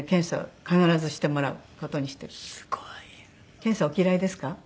検査お嫌いですか？